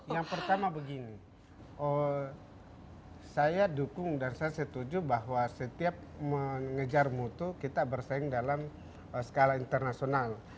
yang pertama begini saya dukung dan saya setuju bahwa setiap mengejar mutu kita bersaing dalam skala internasional